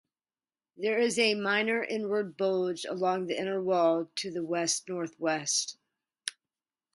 There is a minor inward bulge along the inner wall to the west-northwest.